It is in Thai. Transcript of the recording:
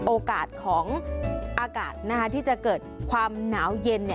โอกาสของอากาศที่จะเกิดความหนาวเย็น